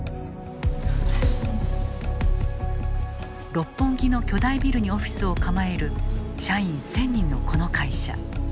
六本木の巨大ビルにオフィスを構える社員１０００人の、この会社。